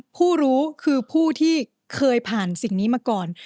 ผู้รู้คือผู้ที่เคยผ่านสิ่งนี้มาก่อน